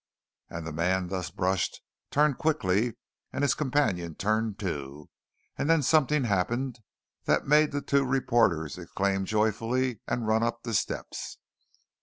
And the man thus brushed turned quickly, and his companion turned too and then something happened that made the two reporters exclaim joyfully and run up the steps.